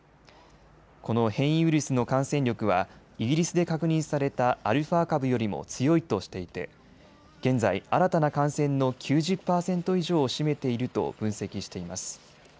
この変異ウイルスの感染力はイギリスで確認されたアルファ株よりも強いとしていて現在、新たな感染の９０％以上を占めていると分析しています。